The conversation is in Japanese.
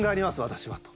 私は」と。